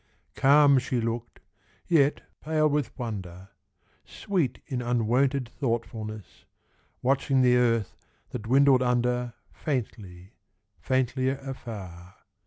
Calm she looked, yet pale with wonder, Sweet in unwonted thoughtfulness, Watching the earth that dwindled under Faintly, faintlier afar.